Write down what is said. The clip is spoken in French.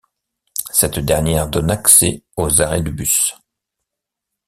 Cette dernière donne accès aux arrêts de bus.